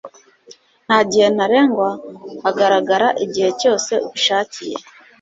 nta gihe ntarengwa, hagarara igihe cyose ubishakiye